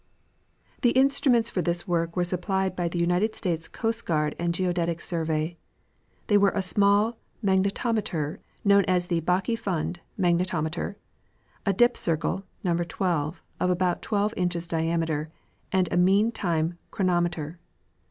The instruments for this work were supplied by the United States Coast and Geodetic Survey. They were a small magnetometer, known as the Bache Fund magnetometer ; a dip circle (number 12) of about 12^^ diameter ; and a mean time chronometer.